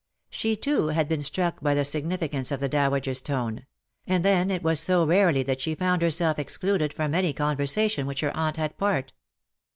She, too, had been struck by the significance of the dowager's tone ; and then it was so rarely that she found herself excluded from any conversation in which her aunt had part.